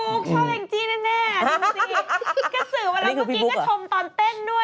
ที่ตื่นมือหรอภีร์บู๊คชอบแองจี้แน่